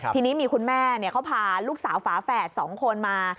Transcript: ทีนี้มีคุณแม่เขาพาลูกสาวฝาแฝด๒คนมา